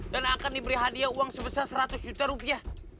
dan akan diberi hadiah uang sebesar seratus juta rupiah